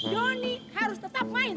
doni harus tetap main